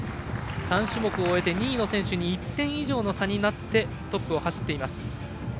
３種目終えて２位の選手に１点以上の差になってトップを走っています。